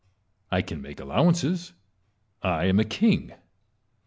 I can make allowances; I am a king.